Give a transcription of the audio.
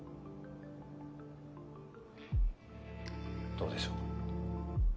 どうでしょう？